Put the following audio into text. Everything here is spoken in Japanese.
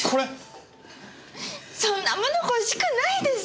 そんなもの欲しくないです！